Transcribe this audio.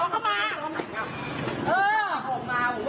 โอ้โหมึงดีดสักขนาดนี้